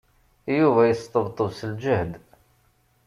Yuba yesṭebṭeb s ljehd.